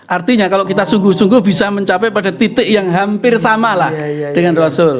artinya kalau kita sungguh sungguh bisa mencapai pada titik yang hampir sama lah dengan rasul